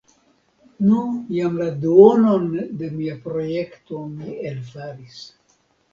Nu, jam la duonon de mia projekto mi elfaris.